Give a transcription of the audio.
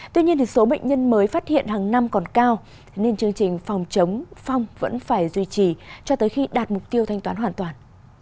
tuy nhiên số bệnh nhân mới phát hiện hàng năm còn cao nên chương trình phòng chống phong vẫn phải duy trì cho tới khi đạt mục tiêu thanh toán hoàn toàn